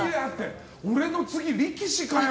俺の次、力士かよ！